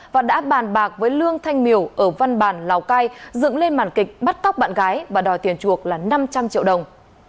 và đã bàn bạc với lương thanh miều ở văn bản lào cai dựng lên màn kịch bắt cóc bạn gái và đòi tiền chuộc là năm trăm linh triệu đồng